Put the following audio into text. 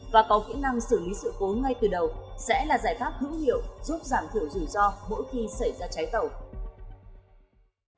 và có kỹ năng xử lý sự cố ngay từ đầu sẽ là giải pháp hữu hiệu giúp giảm thiểu rủi ro mỗi khi xảy ra cháy tàu